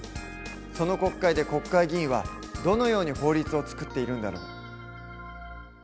その国会で国会議員はどのように法律を作っているんだろう？